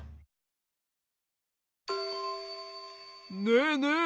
ねえねえ。